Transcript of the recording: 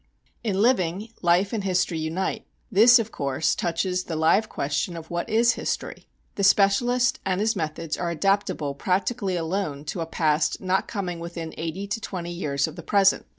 In living, life and history unite. This, of course, touches the live question of what is history. The specialist and his methods are adaptable practically alone to a past not coming within eighty to twenty years of the present.